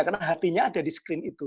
karena hatinya ada di screen itu